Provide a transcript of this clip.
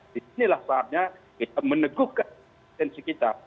disinilah saatnya kita meneguhkan tensi kita